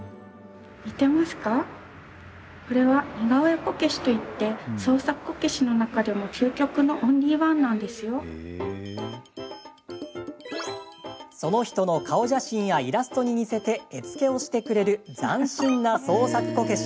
これは、似顔絵こけしといって、創作こけしの中でもその人の顔写真やイラストに似せて絵付けをしてくれる斬新な創作こけし。